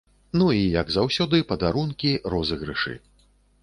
Ну, і як заўсёды, падарункі, розыгрышы.